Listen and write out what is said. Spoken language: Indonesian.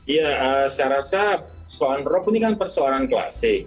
ya saya rasa soal rop ini kan persoalan klasik